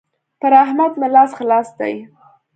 پر احمد مې لاس خلاص دی.